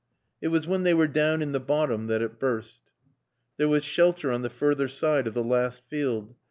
It was when they were down in the bottom that it burst. There was shelter on the further side of the last field.